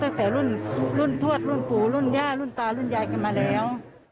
ตั้งแต่รุ่นรุ่นทวดรุ่นปู่รุ่นย่ารุ่นตารุ่นยายกันมาแล้ว